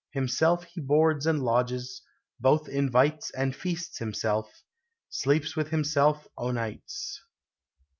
Himself he boards and lodges; both invites And feasts himself; sleeps with himself o' nights.